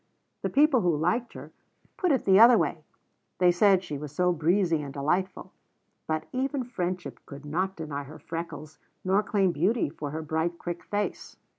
The people who liked her, put it the other way. They said she was so breezy and delightful. But even friendship could not deny her freckles, nor claim beauty for her bright, quick face.